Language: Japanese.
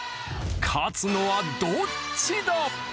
勝つのはどっちだ！？